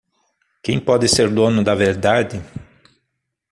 Quem pode ser dono da verdade?